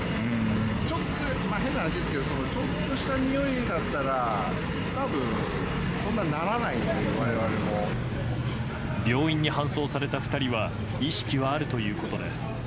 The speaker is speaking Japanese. ちょっと、変な話ですけど、ちょっとした臭いだったら、たぶん、そんなならないと、病院に搬送された２人は、意識はあるということです。